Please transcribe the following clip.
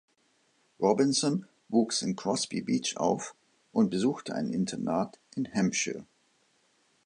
Robinson wuchs in Crosby Beach auf und besuchte ein Internat in Hampshire.